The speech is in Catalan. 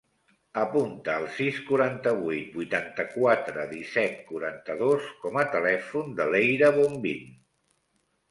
Apunta el sis, quaranta-vuit, vuitanta-quatre, disset, quaranta-dos com a telèfon de l'Eira Bombin.